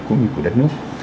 cũng như của đất nước